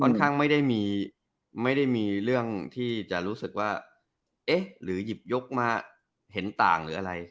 ข้างไม่ได้มีไม่ได้มีเรื่องที่จะรู้สึกว่าเอ๊ะหรือหยิบยกมาเห็นต่างหรืออะไร